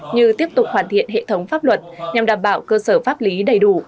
như tiếp tục hoàn thiện hệ thống pháp luật nhằm đảm bảo cơ sở pháp lý đầy đủ